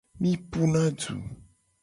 Mi puna du .